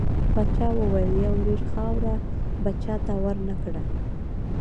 پاچا وويل: يوه لوېشت خاوړه به چاته ورنه کړه .